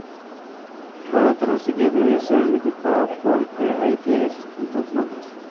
Para terracería debería ser equipada porque ahí tiene sus puntos flojos.